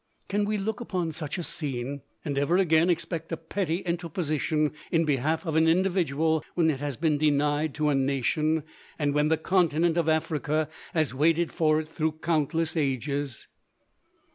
Can we look upon such a scene and ever again expect a petty interposition in behalf of an individual when it has been denied to a nation, and when the Continent of Africa has waited for it through countless ages?